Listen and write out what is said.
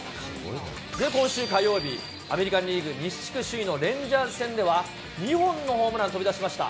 今週火曜日、アメリカンリーグ西地区首位のレンジャース戦では、２本のホームラン飛び出しました。